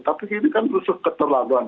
tapi ini kan rusuh keterangan